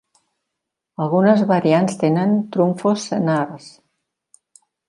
Algunes variants tenen "trumfos senars".